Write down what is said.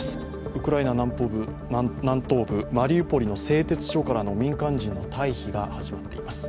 ウクライナ南東部マリウポリの製鉄所からの民間人の退避が始まっています。